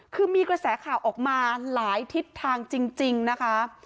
คือมีกระแสข่าวออกมาหลายทิศทางจริงนะคะ